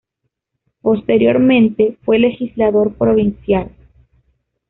Posteriormente fue legislador provincial.